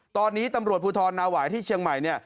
ตอนนี้ตำรวจภูทรนาหวายที่เชียงใหม่เนี่ย